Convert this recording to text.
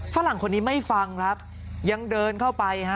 ฝรั่งคนนี้ไม่ฟังครับยังเดินเข้าไปฮะ